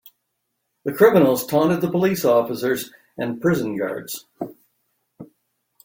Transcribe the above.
The criminals taunted the police officers and prison guards.